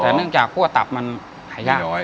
แต่เนื่องจากคั่วตับมันหายาก